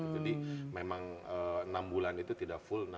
jadi memang enam bulan itu tidak full time ya